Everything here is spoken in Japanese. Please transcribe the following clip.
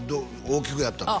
大きくやったん？